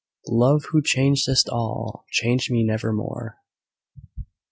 Love, who changest all, change me nevermore!